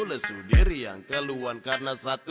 lesu diri yang keluhan karena satu